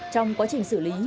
trong quá trình xử lý